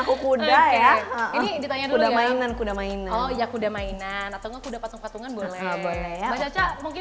kuda mainan kuda mainan kuda mainan atau kuda patung patungan boleh boleh mungkin